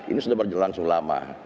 ini sudah berjalan langsung lama